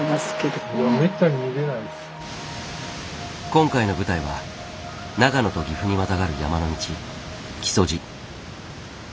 今回の舞台は長野と岐阜にまたがる山の道